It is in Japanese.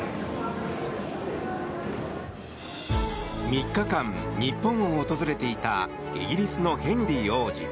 ３日間、日本を訪れていたイギリスのヘンリー王子。